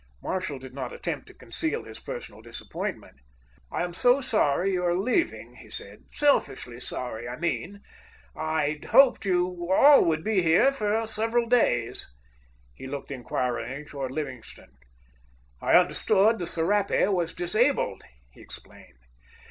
Marshall did not attempt to conceal his personal disappointment. "I am so sorry you are leaving," he said; "selfishly sorry, I mean. I'd hoped you all would be here for several days." He looked inquiringly toward Livingstone. "I understood the Serapis was disabled," he explained.